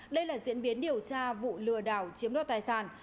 đây là diễn biến điều tra vụ lừa đảo chiếm đoạt tài sản